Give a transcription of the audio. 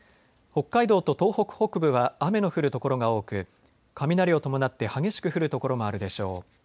北海道と東北北部は雨の降る所が多く雷を伴って激しく降る所もあるでしょう。